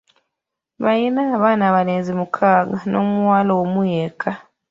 Baalina abaana abalenzi mukaaga n'omuwala omu yekka.